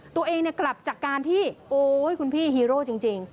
ตัวเองกลับจากการที่โอ๊ยคุณพี่ฮีโร่จริง